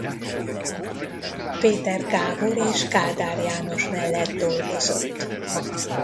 Péter Gábor és Kádár János mellett dolgozott.